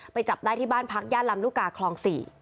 จับได้ที่บ้านพักย่านลำลูกกาคลอง๔